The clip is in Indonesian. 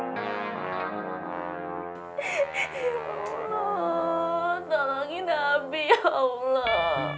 tolongin abik ya allah